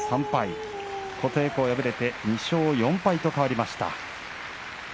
琴恵光は２勝４敗とかわりました。